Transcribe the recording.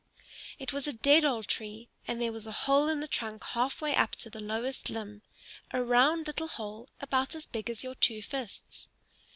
It was a dead old tree, and there was a hole in the trunk halfway up to the lowest limb, a round little hole about as big as your two fists.